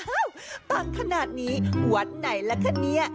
อ้าวตั้งขนาดนี้วัดไหนละคะเนี่ย